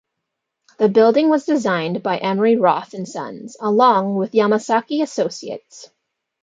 The building was designed by Emery Roth and Sons, along with Yamasaki Associates.